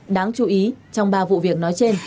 đáng chú ý trong ba vụ việc nói trên